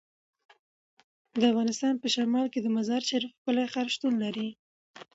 د افغانستان په شمال کې د مزارشریف ښکلی ښار شتون لري.